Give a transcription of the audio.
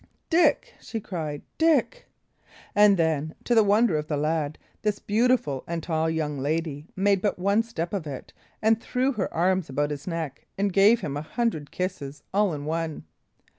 "Dick!" she cried. "Dick!" And then, to the wonder of the lad, this beautiful and tall young lady made but one step of it, and threw her arms about his neck and gave him a hundred kisses all in one.